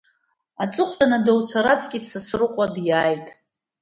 Аҵыхәтәаны адоуцәа раҵкыс Сасрыҟәа диааит.